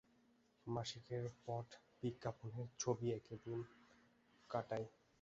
মাসিকের পট বিজ্ঞাপনের ছবি এঁকে দিন কাটায়।